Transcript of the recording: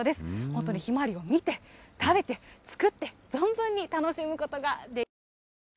本当、ヒマワリを見て、食べて、作って、存分に楽しむことができます。